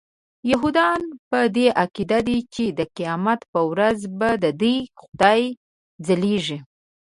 یهودان په دې عقیده دي چې د قیامت په ورځ به ددوی خدای ځلیږي.